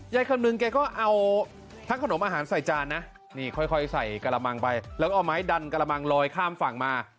คำนึงแกก็เอาทั้งขนมอาหารใส่จานนะนี่ค่อยใส่กระมังไปแล้วก็เอาไม้ดันกระมังลอยข้ามฝั่งมา